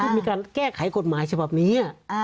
มีการแก้ไขกฎหมายฉบับนี้